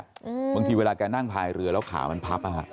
นั่นแหละบางทีเวลาแกนั่งพายเรือแล้วขามันพับอะ